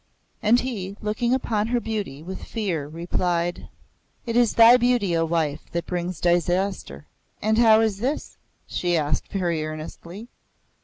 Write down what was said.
And he, looking upon her beauty with fear, replied, "It is thy beauty, O wife, that brings disaster." "And how is this?" she asked very earnestly.